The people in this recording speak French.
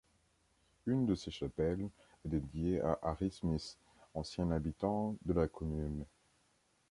Une de ses chapelles est dédiée à Harry Smith, ancien habitant de la commune.